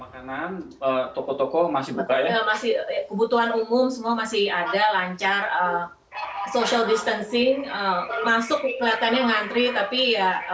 kebutuhan umum semua masih ada lancar social distancing masuk kelihatannya ngantri tapi ya